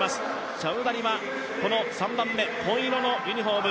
チャウダリは紺色のユニフォーム